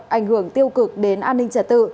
ảnh hưởng tiêu cực đến an ninh trả tự